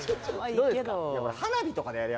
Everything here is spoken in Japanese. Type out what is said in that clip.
どうですか？